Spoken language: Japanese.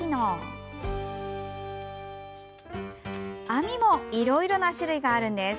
網もいろいろな種類があるんです。